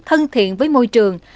thân thiện với môi trường